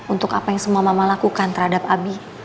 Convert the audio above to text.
untuk apa yang semua mama lakukan terhadap abi